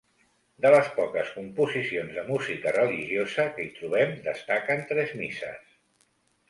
De les poques composicions de música religiosa que hi trobem destaquen tres misses.